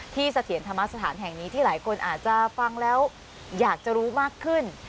เสถียรธรรมสถานแห่งนี้ที่หลายคนอาจจะฟังแล้วอยากจะรู้มากขึ้น